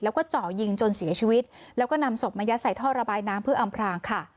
แล้วก็เจาะยิงจนเสียชีวิตแล้วก็นำศพมายัดใส่ท่อระบายน้ำเพื่ออำพรางค่ะ